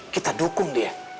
kita dukung dia